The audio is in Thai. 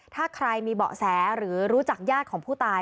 ถ้าใครมีเบาะแสหรือรู้จักญาติของผู้ตาย